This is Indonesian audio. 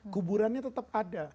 kuburannya tetap ada